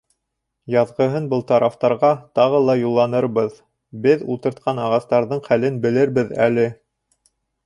Яҙғыһын был тарафтарға тағы ла юлланырбыҙ, беҙ ултыртҡан ағастарҙың хәлен белербеҙ әле!